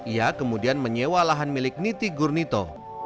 ia kemudian menyewa lahan milik niti gurnito